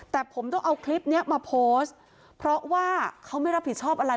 แต่ผมต้องเอาคลิปนี้มาโพสต์เพราะว่าเขาไม่รับผิดชอบอะไร